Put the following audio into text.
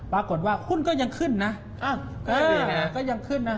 ปรากฏว่าหุ้นก็ยังขึ้นนะอ้าวนี่ไงก็ยังขึ้นนะ